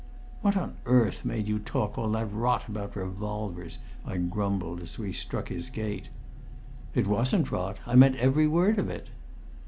"What on earth made you talk all that rot about revolvers?" I grumbled as we struck his gate. "It wasn't rot. I meant every word of it."